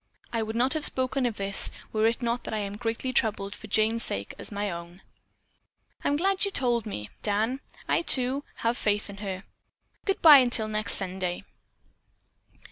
I would not have spoken of this were it not that I am as greatly troubled for Jane's sake as my own." "I am glad you told me, Dan. I, too, have faith in her. Goodbye till next Sunday."